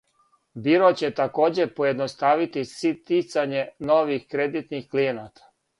Биро ће такође поједноставити стицање нових кредитних клијената.